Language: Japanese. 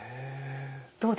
どうですか？